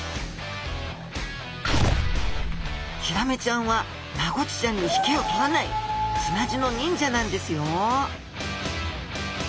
ヒラメちゃんはマゴチちゃんに引けをとらない砂地の忍者なんですよ！